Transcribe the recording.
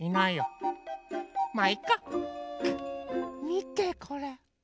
みてこれ。